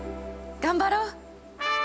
頑張ろう！